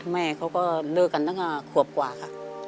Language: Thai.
แม่เขาก็เลิกกันตั้งแต่ขวบกว่าค่ะ